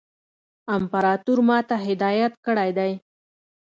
امپراطور ما ته هدایت کړی دی.